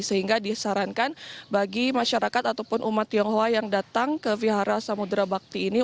sehingga disarankan bagi masyarakat ataupun umat tionghoa yang datang ke wihara samudera bakti ini